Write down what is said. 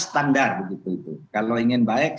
standar begitu kalau ingin baik